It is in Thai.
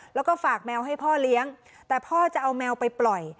แล้วก็ฝากแมวให้พ่อเลี้ยงแต่พ่อจะเอาแมวไปปล่อย